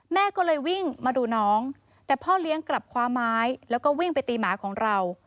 แม่ก็เลยวิ่งมาดูน้องแต่พ่อเลี้ยงกลับคว้าไม้แล้วก็วิ่งไปตีหมาของเรา